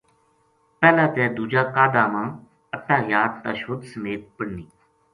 پہلا تے دوجا قعدہ ما التحیات تشہد سمیت پڑھنی۔